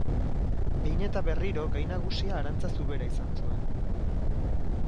Behin eta berriro gai nagusia Arantzazu bera izan zuen.